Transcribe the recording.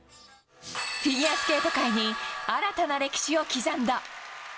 フィギュアスケート界に新たな歴史を刻んだ。